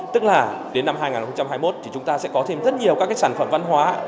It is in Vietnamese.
tức là đến năm hai nghìn hai mươi một thì chúng ta sẽ có thêm rất nhiều các sản phẩm văn hóa